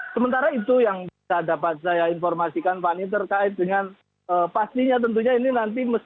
sementara itu yang bisa dapat saya informasikan fani terkait dengan pastinya tentunya ini nanti